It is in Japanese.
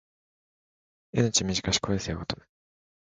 命短し恋せよ乙女